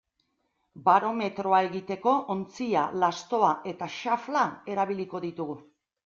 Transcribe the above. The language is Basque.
Barometroa egiteko ontzia, lastoa eta xafla erabiliko ditugu.